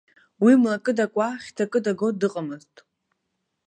Уи млакы дакуа, хьҭакы даго дыҟамызт.